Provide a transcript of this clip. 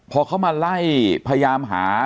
พอเขามาไล่พยายามหา